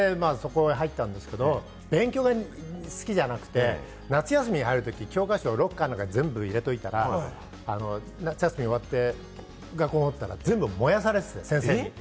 当時でいうツッパリばかりで、そこに入ったんですけど、勉強が好きじゃなくて、夏休みに入るときに教科書をロッカーの中に入れておいたら、夏休み終わって学校に行ったら全部燃やされていて、先生に。